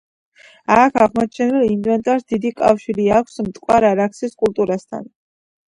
აქ აღმოჩენილ ინვენტარს დიდი კავშირი აქვს მტკვარ-არაქსის კულტურასთან.